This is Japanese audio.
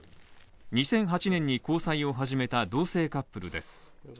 ２００８年に交際を始めた同性カップルです